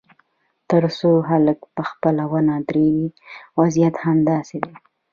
تر څو خلک پخپله ونه درېږي، وضعیت همداسې دی.